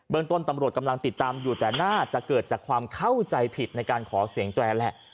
ต้นตำรวจกำลังติดตามอยู่แต่น่าจะเกิดจากความเข้าใจผิดในการขอเสียงแตรนแหละ